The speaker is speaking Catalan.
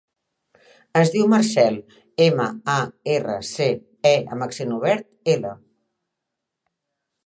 Es diu Marcèl: ema, a, erra, ce, e amb accent obert, ela.